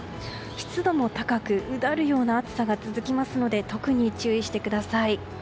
湿度も高く、うだるような暑さが続きますので特に注意してください。